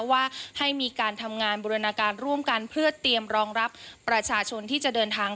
ว่าให้มีการทำงานบูรณาการร่วมกันเพื่อเตรียมรองรับประชาชนที่จะเดินทาง